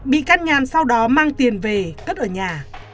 bị cắt nhàn sau đó mang tiền về cất ở nhà